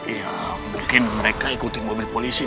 ya mungkin mereka ikutin rumit polisi